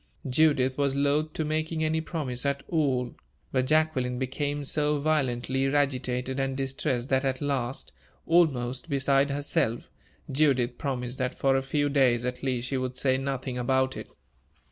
Judith was loath to making any promise at all, but Jacqueline became so violently agitated and distressed that at last, almost beside herself, Judith promised that for a few days, at least, she would say nothing about it.